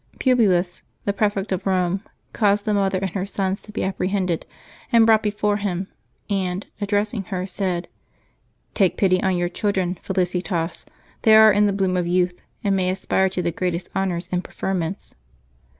Pub lius, the prefect of Eome, caused the mother and her sons to be apprehended and brought before him, and, addressing her, said, *' Take pity on your children, Felicitas ; they are in the bloom of youth, and may aspire to the greatest honors and preferments.''